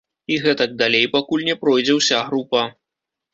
І гэтак далей, пакуль не пройдзе ўся група.